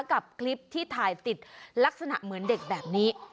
กับคลิปที่ถ่ายติดลักษณะเหมือนเด็กแบบนี้